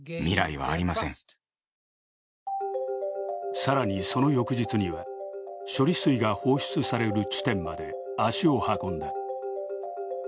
更に、その翌日には処理水が放出される地点まで足を運んだ。